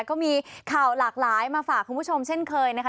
ก็มีข่าวหลากหลายมาฝากคุณผู้ชมเช่นเคยนะคะ